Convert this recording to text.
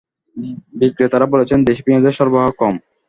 বিক্রেতারা বলছেন, দেশি পেঁয়াজের সরবরাহ কম।